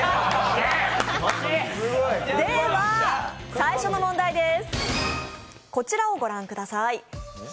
最初の問題です。